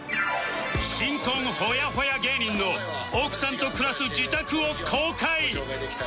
新婚ほやほや芸人の奥さんと暮らす自宅を公開